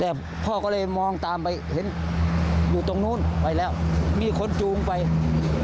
แต่พ่อก็เลยมองตามไปเห็นอยู่ตรงนู้นไปแล้วมีคนจูงไป